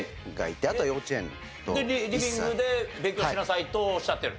リビングで勉強しなさいとおっしゃってる？